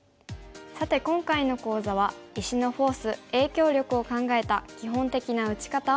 さて今回の講座は石のフォース影響力を考えた基本的な打ち方を学びました。